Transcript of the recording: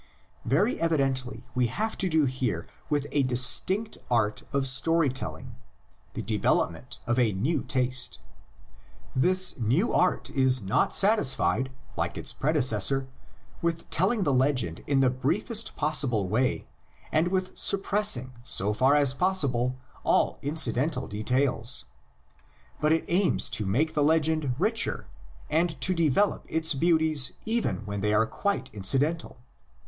Very evidently we have to do here with a distinct LITERARY FORM OF THE LEGENDS. 83 art of story telling, the development of a new taste. This new art is not satisfied, like its predecessor, with telling the legend in the briefest possible way and with suppressing so far as possible all incidental details; but it aims to make the legend richer and to develop its beauties even when they are quite inci dental.